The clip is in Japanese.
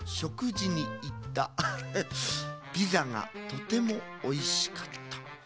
ピザがとてもおいしかった」。